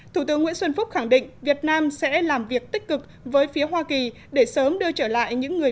thủ tướng nguyễn xuân phúc khẳng định việt nam sẽ làm việc tích cực với phía hoa kỳ để sớm đưa trở lại những người